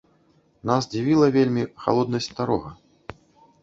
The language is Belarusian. Нас дзівіла вельмі халоднасць старога.